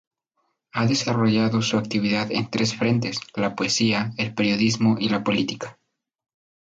Ha desarrollado su actividad en tres frentes: la poesía, el periodismo y la política.